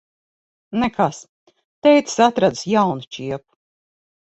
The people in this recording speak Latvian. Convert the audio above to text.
Nekas. Tētis atradis jaunu čiepu.